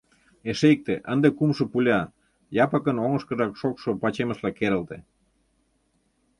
Эше икте, ынде кумшо пуля, Япыкын оҥышкыжак шокшо пачемышла керылте.